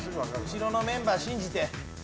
後ろのメンバー信じて。